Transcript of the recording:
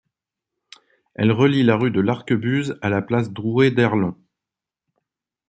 Elle relie la rue de l'Arquebuse à la place Drouet-d'Erlon.